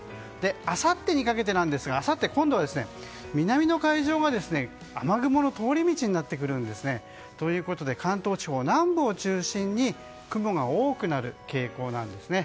あさってにかけてですがあさって、今度は南の海上は雨雲の通り道になってくるんですね。ということで関東地方は南部を中心に雲が多くなる傾向なんですね。